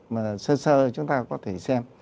mà sơ sơ chúng ta có thể xem